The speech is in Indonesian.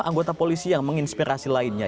anggota polisi yang menginspirasi lainnya